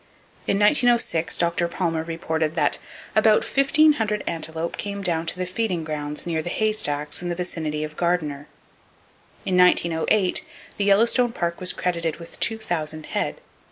In 1906, Dr. Palmer reported that "About fifteen hundred antelope came down to the feeding grounds near the haystacks in the vicinity of Gardiner." In 1908 the Yellowstone Park [Page 160] was credited with two thousand head.